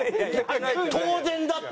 当然だって。